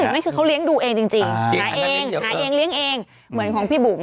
นั่นคือเขาเลี้ยงดูเองจริงหาเองหาเองเลี้ยงเองเหมือนของพี่บุ๋ม